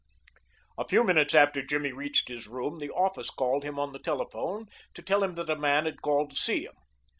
A few minutes after Jimmy reached his room the office called him on the telephone to tell him that a man had called to see him.